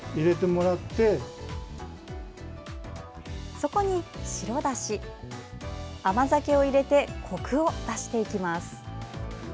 そこに白だし、甘酒を入れて、こくを出していきます。